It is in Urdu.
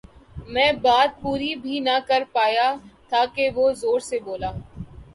میں بات پوری بھی نہ کرپا یا تھا کہ زور سے بولے